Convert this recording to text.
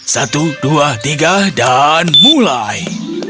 satu dua tiga dan mulai